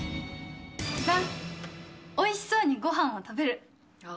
じゃん、おいしそうにごはんを食べる。